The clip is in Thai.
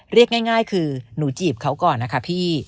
เรียกง่ายคือหนูจีบเขาก่อนนะคะพี่